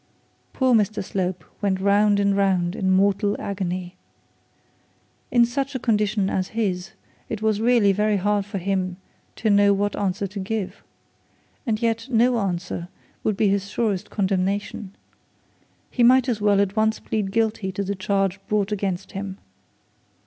Poor Mr Slope went round and round in mortal agony. In such a condition as his it was really very hard for him to know what answer to give. And yet no answer would be his surest condemnation. He might as well at once plead guilty to the charge brought against him.